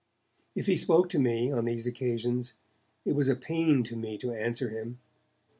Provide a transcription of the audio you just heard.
If he spoke to me, on these excursions, it was a pain to me to answer him.